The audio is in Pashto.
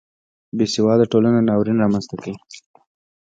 بې سواده ټولنه ناورین رامنځته کوي